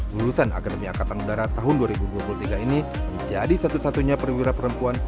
lulusan akademi angkatan udara tahun dua ribu dua puluh tiga ini menjadi satu satunya perwira perempuan